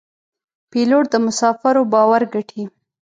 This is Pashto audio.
پیلوټ د مسافرو باور ګټي.